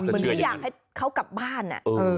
ไม่อยากให้เขากลับบ้าน